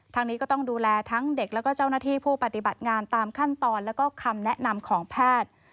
นี้ก็ต้องดูแลทั้งเด็กแล้วก็เจ้าหน้าที่ผู้ปฏิบัติงานตามขั้นตอนแล้วก็คำแนะนำของแพทย์